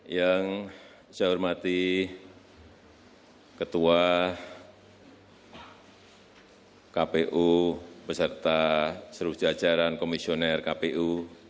yang saya hormati ketua kpu beserta seluruh jajaran komisioner kpu